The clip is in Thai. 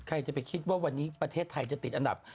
ใครจะไปคิดว่าวันนี้ประเทศไทยจะติดอันดับ